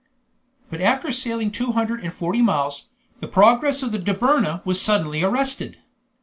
But after sailing two hundred and forty miles, the progress of the Dobryna was suddenly arrested.